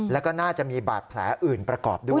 แล้วก็น่าจะมีบาดแผลอื่นประกอบด้วย